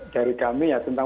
dari kami ya tentang